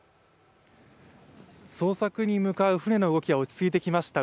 捜索に向かう船の動きは落ち着いてきました